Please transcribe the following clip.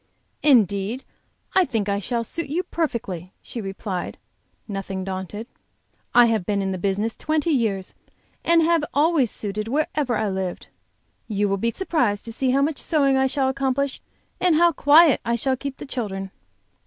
"Indeed, I think I shall suit you perfectly," she replied, nothing daunted. "I have been in the business twenty years, and have always suited wherever I lived. You will be surprised to see how much sewing I shall accomplish, and how quiet I shall keep the children."